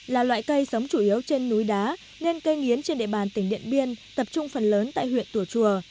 là loại cây sống chủ yếu trên núi đá nên cây nghiến trên địa bàn tỉnh điện biên tập trung phần lớn tại huyện tùa chùa